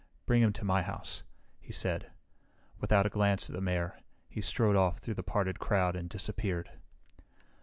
"Bring him to my house," he said. Without a glance at the Mayor, he strode off through the parted crowd and disappeared.